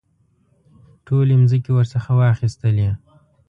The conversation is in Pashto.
ټولې مځکې ورڅخه واخیستلې.